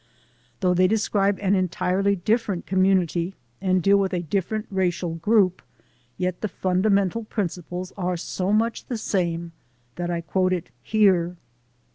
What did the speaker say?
Though they describe an entirely different community and deal with a differ ent racial group, yet the fundamental principles are so much the same that I quote it here.